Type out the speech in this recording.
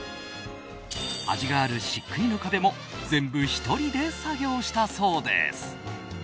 味がある漆喰の壁も全部１人で作業したそうです。